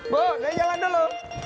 bo saya jalan dulu